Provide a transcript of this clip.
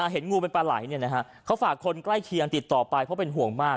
เห็นงูเป็นปลาไหลเขาฝากคนใกล้เคียงติดต่อไปเพราะเป็นห่วงมาก